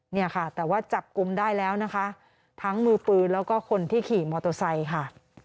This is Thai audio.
เนี่ยค่ะแต่ว่าจับกลุ่มได้แล้วนะคะทั้งมือปืนแล้วก็คนที่ขี่มอเตอร์ไซค์ค่ะ